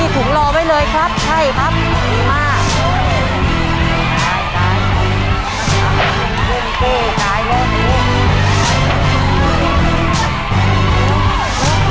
ถุงรอไว้ก็ได้นะจริงจริง